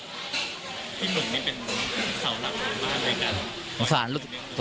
พี่หมึกนี่เป็นเขาหลังมากเลยกัน